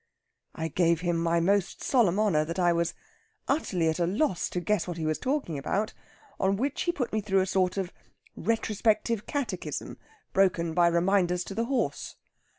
I gave him my most solemn honour that I was utterly at a loss to guess what he was talking about, on which he put me through a sort of retrospective catechism, broken by reminders to the horse.